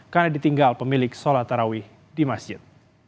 karena ditinggal pemilik sholat tarawih di masjid